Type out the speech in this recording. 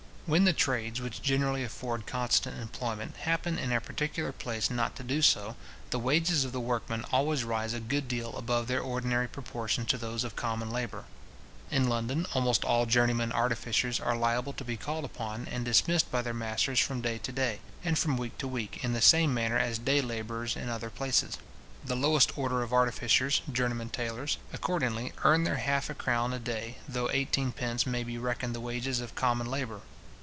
When the trades which generally afford constant employment, happen in a particular place not to do so, the wages of the workmen always rise a good deal above their ordinary proportion to those of common labour. In London, almost all journeymen artificers are liable to be called upon and dismissed by their masters from day to day, and from week to week, in the same manner as day labourers in other places. The lowest order of artificers, journeymen tailors, accordingly, earn their half a crown a day, though eighteen pence may be reckoned the wages of common labour.